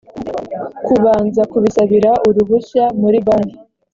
kubanza kubisabira uruhushya muri banki